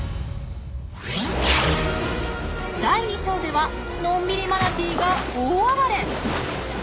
第２章ではのんびりマナティーが大あばれ！